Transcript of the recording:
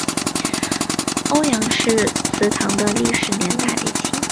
欧阳氏祠堂的历史年代为清代。